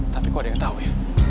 tapi klo ada yang tau ya